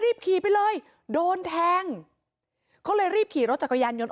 รีบขี่ไปเลยโดนแทงเขาเลยรีบขี่รถจักรยานยนต์